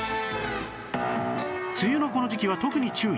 梅雨のこの時期は特に注意